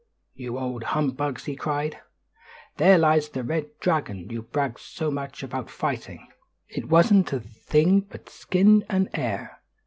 "You old humbugs," he cried. "There lies the red dragon you bragged so much about fighting. It wasn't a thing but skin and air.